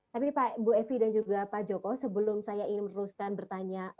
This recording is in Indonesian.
tapi pak evi dan juga pak joko sebelum saya ingin merusakkan bertanya tanya